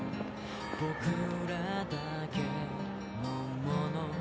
ぼくらだけのもの